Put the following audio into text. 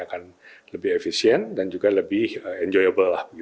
akan lebih efisien dan juga lebih enjoyable lah